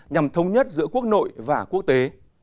nhằm thống nhất giữa quốc nội và quốc tế